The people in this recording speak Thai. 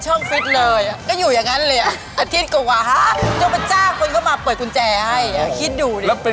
เห้ยมันมีกุญแจรถอยู่ในตู้เย็น